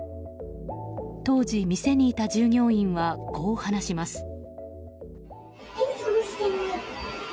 当時、店にいた従業員はこう話します。